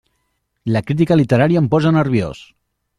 La crítica literària em posa nerviós!